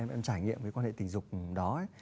em trải nghiệm với quan hệ tình dục đó